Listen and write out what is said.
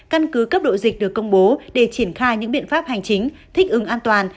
căn cứ cấp độ dịch được công bố để triển khai những biện pháp hành chính thích ứng an toàn